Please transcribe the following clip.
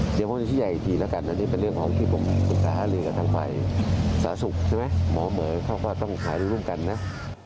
เดี๋ยวพบจิตใหญ่อีกทีแล้วกันอันนี้เป็นเรื่องของที่ผมต้องการให้เรียนกับทางฝ่ายสาธารณะสุขหมอเมย์เขาก็ต้องขายร่วมกันนะ